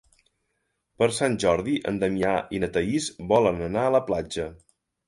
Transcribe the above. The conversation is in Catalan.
Per Sant Jordi en Damià i na Thaís volen anar a la platja.